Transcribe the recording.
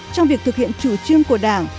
trong việc thực hiện chủ trương của đảng